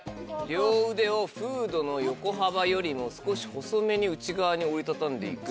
両腕をフードの横幅よりも少し細めに内側に折り畳んで行く。